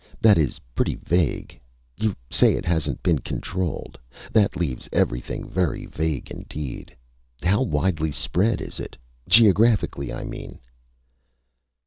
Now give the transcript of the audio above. That is pretty vague. You say it hasn't been controlled. That leaves everything very vague indeed. How widely spread is it? Geographically, I mean."